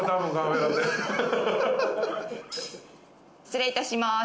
失礼いたします。